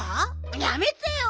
やめてよ。